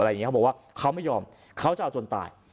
เขาบอกว่าเขาไม่ยอมเขาจะเอาจนตาย